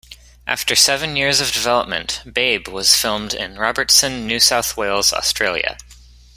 After seven years of development, "Babe" was filmed in Robertson, New South Wales, Australia.